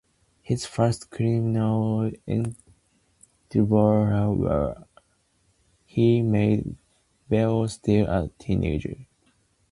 His first cinematic endeavors were amateur films he made while still a teenager.